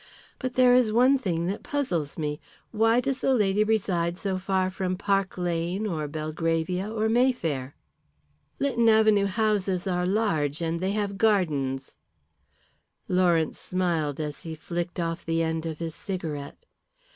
But there is one thing that puzzles me. Why does the lady reside so far from Park Lane or Belgravia or Mayfair?" "Lytton Avenue houses are large and they have gardens." Lawrence smiled as he flicked off the end of his cigarette.